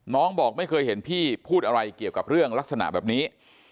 บอกไม่เคยเห็นพี่พูดอะไรเกี่ยวกับเรื่องลักษณะแบบนี้